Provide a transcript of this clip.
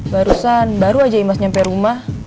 barusan baru aja imas nyampe rumah